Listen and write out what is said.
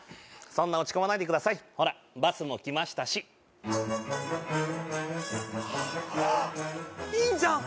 そんな落ち込まないでくださいほらバスも来ましたしいんじゃん！